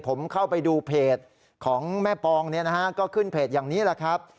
ผมเข้าไปดูเพจของแม่ปองเนี่ยนะฮะก็ขึ้นเพจอย่างนี้แหละครับ